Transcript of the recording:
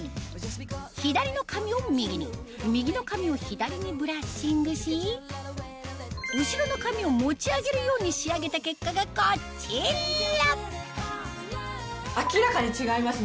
左の髪を右に右の髪を左にブラッシングし後ろの髪を持ち上げるように仕上げた結果がこちら明らかに違いますね